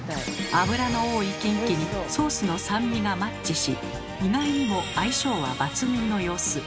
脂の多いキンキにソースの酸味がマッチし意外にも相性は抜群の様子。